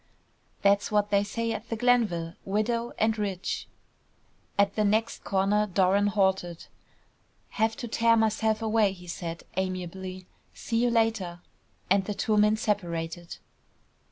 "That's what they say at the Glenville. Widow and rich." At the next corner Doran halted. "Have to tear myself away," he said, amiably. "See you later," and the two men separated.